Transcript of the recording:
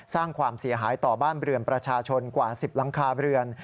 สร้างความเสียหายต่อบ้านเรือนประชาชนกว่า๑๐หลังคาเรือน